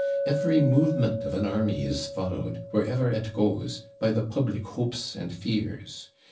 Every movement of an army is followed, wherever it goes, by the public hopes and fears.